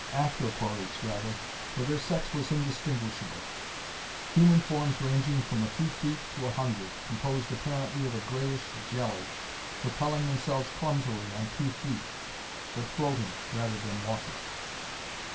Anthropoids, rather, for their sex was indistinguishable! Human forms ranging from a few feet to a hundred, composed apparently of a grayish jelly, propelling themselves clumsily on two feet, but floating rather than walking.